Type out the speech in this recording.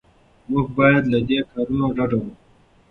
موږ باید له دې کارونو ډډه وکړو.